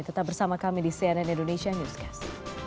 tetap bersama kami di cnn indonesia newscast